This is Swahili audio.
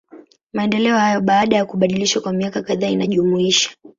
Maendeleo hayo, baada ya kubadilishwa kwa miaka kadhaa inajumuisha.